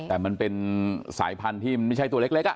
แต่มันเป็นสายพันธุ์ที่ไม่ใช่ตัวเล็ก